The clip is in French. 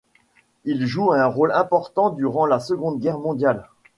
Il joue un rôle important durant la Seconde Guerre mondiale.